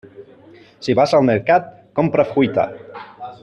Si vas al mercat, compra fruita.